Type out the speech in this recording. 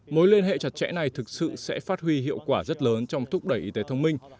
mối liên hệ chặt chẽ này thực sự sẽ phát huy hiệu quả rất lớn trong thúc đẩy y tế thông minh